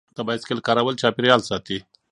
د بایسکل کارول چاپیریال ساتي.